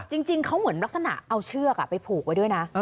จริงเขาเหมือนลักษณะเอาเชือกไปผูกไว้ด้วยนะ